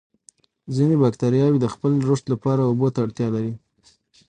ځینې باکتریاوې د خپل رشد لپاره اوبو ته اړتیا لري.